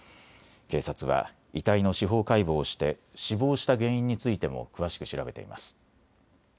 警察は遺体の司法解剖をして死亡した原因についても詳しく調べています。